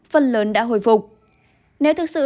phần lớn đã hồi phục nếu thực sự